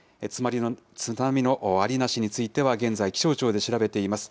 津波のありなしについては、現在、気象庁で調べています。